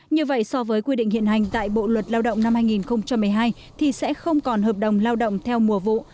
như vậy so với quy định hiện hành tại bộ luật lao động năm hai nghìn một mươi hai thì sẽ không còn hợp đồng lao động theo mùa vụ